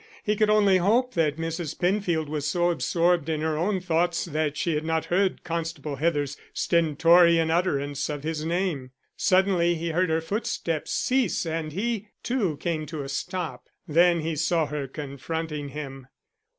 He could only hope that Mrs. Penfield was so absorbed in her own thoughts that she had not heard Constable Heather's stentorian utterance of his name. Suddenly he heard her footsteps cease and he, too, came to a stop. Then he saw her confronting him.